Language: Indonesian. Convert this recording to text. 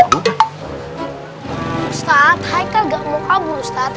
ustadz haikal gak mau kabur ustadz